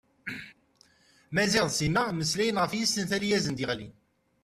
Maziɣ d Sima mmeslayen ɣef yisental i asen-d-yeɣlin.